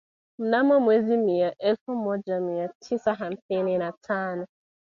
Mnamo mwezi Mei elfu moja mia tisa hamsini na tano